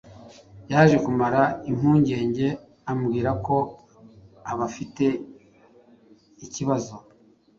Yaje kumara impungenge ambwira ko abafite ikibazo